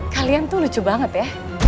kalian tuh lucu banget ya